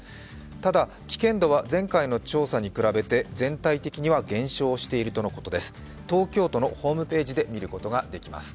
ただ、危険度は前回の調査に比べて全体的には減少しているとのことです。